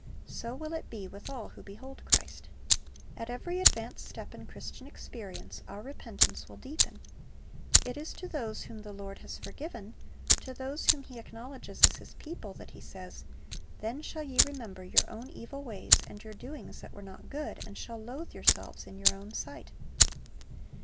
So will it be with all who behold Christ. At every advance step in Christian experience our repentance will deepen. It is to those whom the Lord has forgiven, to those whom He acknowledges as His people, that He says, "Then shall ye remember your own evil ways, and your doings that were not good, and shall loathe Ttvo Worshipers i6i yourselves in your own sight."